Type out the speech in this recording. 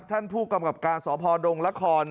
ท่านผู้กำกับการสพดงละคร